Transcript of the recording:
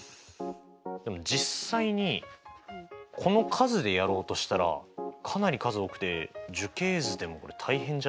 でも実際にこの数でやろうとしたらかなり数多くて樹形図でもこれ大変じゃないですか？